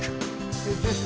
集中して。